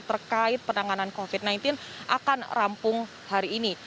terkait penanganan covid sembilan belas akan rampung hari ini